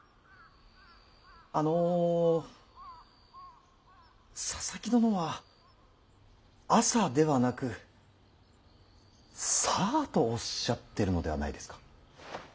あの佐々木殿は「朝」ではなく「さあ」とおっしゃってるのではないですか。